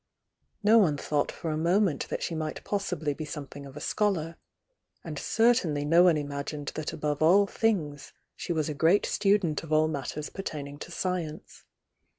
No one thought for a mo ment that she might possibly be something of a scholar,— and certainly no one imagined that above au things she was a great student of all matters pertaining to science.